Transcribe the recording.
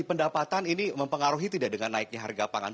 pendapatan ini mempengaruhi tidak dengan naiknya harga pangan